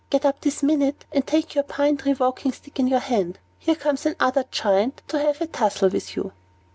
Get up this minute, and take your pine tree walking stick in your hand. Here comes another Giant to have a tussle with you."